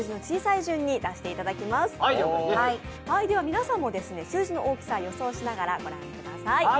では皆さんも数字の大きさ予想しながら御覧ください。